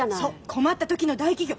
困った時の大企業。